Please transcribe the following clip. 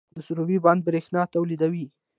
د سروبي بند بریښنا تولیدوي